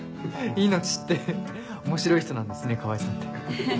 命って面白い人なんですね川合さんって。